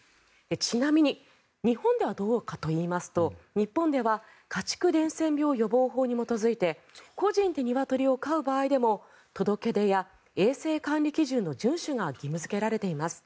ちなみに日本ではどうかといいますと日本では家畜伝染病予防法に基づいて個人でニワトリを飼う場合でも届け出や衛生管理基準の順守が義務付けられています。